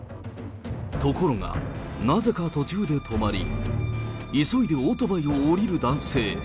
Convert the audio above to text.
ところが、なぜか途中で止まり、急いでオートバイを降りる男性。